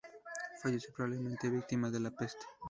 Falleció probablemente víctima de la peste.